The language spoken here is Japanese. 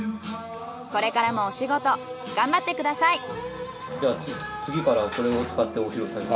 これからもお仕事頑張ってください。